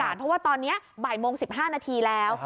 เพราะว่าตอนนี้บ่ายโมง๑๕นาทีแล้ว